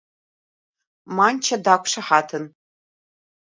Манча дақәшаҳаҭын.